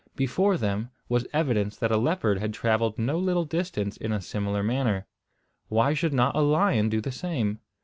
Before them was evidence that a leopard had travelled no little distance in a similar manner. Why should not a lion do the same?